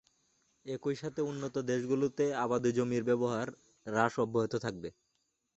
একই সাথে, উন্নত দেশগুলোতে আবাদি জমির ব্যবহার হ্রাস অব্যাহত থাকবে।